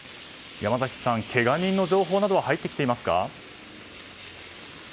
山崎さん、けが人の情報などは入ってきていますか？